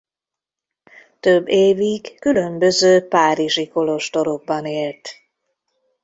Több évig különböző párizsi kolostorokban élt.